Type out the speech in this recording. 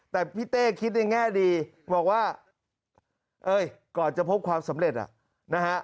แต่พี่เต้คิดในแง่ดีบอกว่าเอ้ยก่อนจะพบความสำเร็จนะฮะ